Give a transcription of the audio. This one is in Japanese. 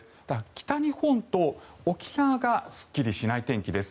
北日本と沖縄がすっきりしない天気です。